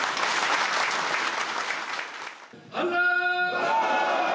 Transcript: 万歳！